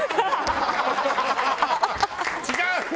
違う！